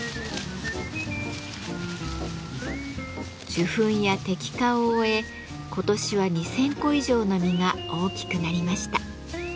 授粉や摘果を終え今年は２，０００個以上の実が大きくなりました。